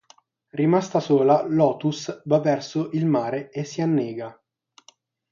Rimasta sola, Lotus va verso il mare e si annega.